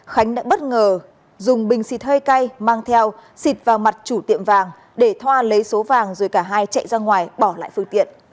khánh đã bất ngờ dùng bình xịt hơi cay mang theo xịt vào mặt chủ tiệm vàng để thoa lấy số vàng rồi cả hai chạy ra ngoài bỏ lại phương tiện